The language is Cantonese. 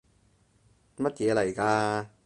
乜嘢嚟㗎？